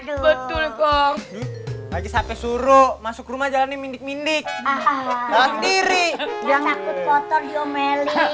betul kok lagi sampai suruh masuk rumah jalan ini mendek dek diri yang takut kotor diomelin